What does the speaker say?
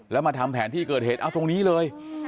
แล้วมาทำแผนที่เกิดเหตุเอาตรงนี้เลย